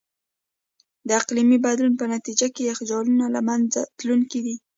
د اقلیمي بدلون په نتیجه کې یخچالونه له منځه تلونکي دي.